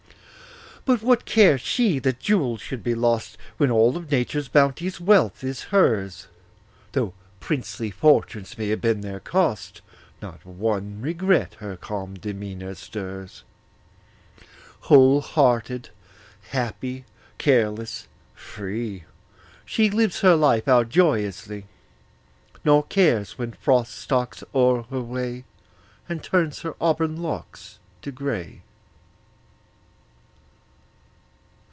But what cares she that jewels should be lost, When all of Nature's bounteous wealth is hers? Though princely fortunes may have been their cost, Not one regret her calm demeanor stirs. Whole hearted, happy, careless, free, She lives her life out joyously, Nor cares when Frost stalks o'er her way And turns her auburn locks to gray.